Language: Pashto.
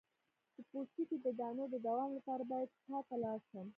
د پوستکي د دانو د دوام لپاره باید چا ته لاړ شم؟